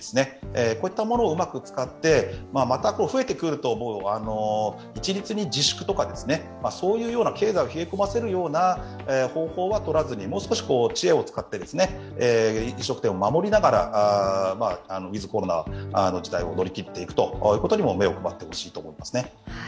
こういったものをうまく使って、また増えてくると一律に自粛とかそういう経済を冷え込ませるような方法はとらずにもう少し、知恵を使って飲食店を守りながらウィズ・コロナの時代にも目を配っていくことが重要ですね。